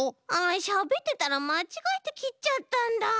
しゃべってたらまちがえてきっちゃったんだ。